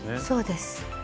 そうです。